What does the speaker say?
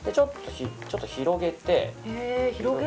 ちょっと広げて。